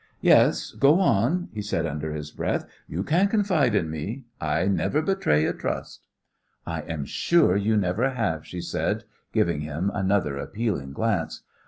"Yes, go on," he said under his breath. "You can confide in me. I never betray a trust." "I am sure you never have," she said, giving him another appealing glance.